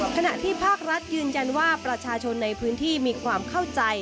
ขณะที่ภาครัฐยืนยันว่าประชาชนในพื้นที่มีความเข้าใจ